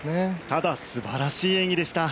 ただ素晴らしい演技でした。